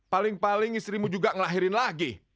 paling paling istrimu juga ngelahirin lagi